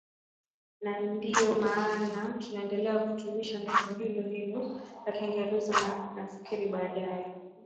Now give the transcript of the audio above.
na ndiyo maana tunaendelea kutumisha neno hilo hilo la kingereza na nafikiri baadaye